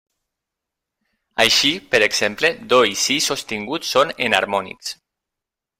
Així, per exemple, do i si sostingut són enharmònics.